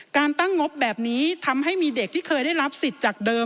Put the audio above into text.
การตั้งงบแบบนี้ทำให้มีเด็กที่เคยได้รับสิทธิ์จากเดิม